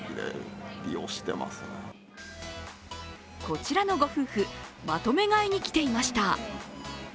こちらのご夫婦まとめ買いに来ていました。